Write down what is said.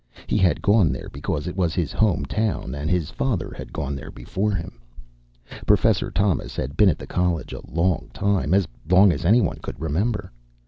He had gone there because it was his home town, and his father had gone there before him. Professor Thomas had been at the College a long time, as long as anyone could remember.